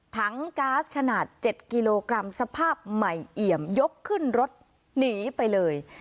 ก๊าซขนาด๗กิโลกรัมสภาพใหม่เอี่ยมยกขึ้นรถหนีไปเลย